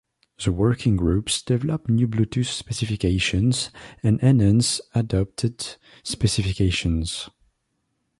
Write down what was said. The Working Groups develop new Bluetooth specifications and enhance adopted specifications.